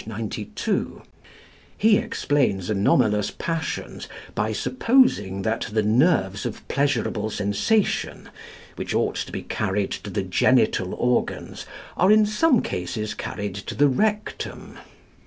92), he explains anomalous passions by supposing that the nerves of pleasurable sensation, which ought to be carried to the genital organs, are in some cases carried to the rectum.